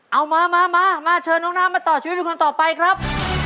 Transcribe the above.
เอามามาเชิญน้องน้ำมาต่อชีวิตเป็นคนต่อไปครับ